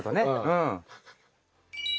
うん。